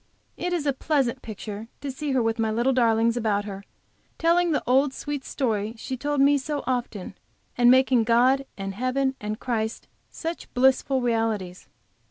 It is a pleasant picture to see her with my little darlings about her, telling the old sweet story she told me so often, and making God and Heaven and Christ such blissful realities.